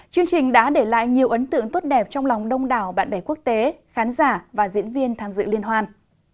chương trình đã để lại nhiều ấn tượng tốt đẹp trong lòng đông đảo bạn bè quốc tế khán giả và diễn viên tham dự liên hoan